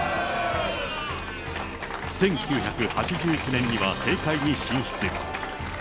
１９８９年には政界に進出。